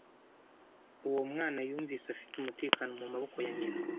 Uwo mwana yumvise afite umutekano mu maboko ya nyina.